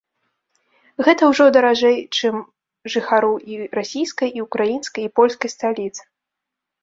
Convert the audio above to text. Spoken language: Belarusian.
Гэта ўжо даражэй чым жыхару і расійскай, і украінскай, і польскай сталіц.